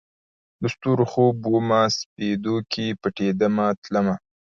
د ستورو خوب ومه، سپیدو کې پټېدمه تلمه